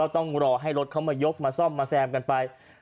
ต้องรอให้รถเขามายกมาซ่อมมาแซมกันไป